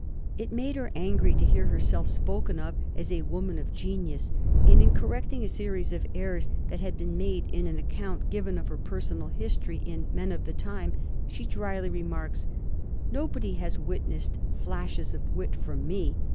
It made her angry to hear herself spoken of as a woman of genius; and in correcting a series of errors that had been made in an account given of her personal history in Men of the Time, she drily remarks, "Nobody has witnessed 'flashes of wit' from me.